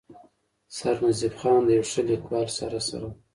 “ سرنزېب خان د يو ښه ليکوال سره سره